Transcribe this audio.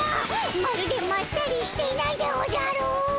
まるでまったりしていないでおじゃる！